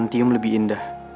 tium lebih indah